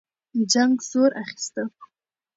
جنګ زور اخیسته.